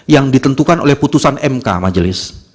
yang ditentukan oleh putusan mk majelis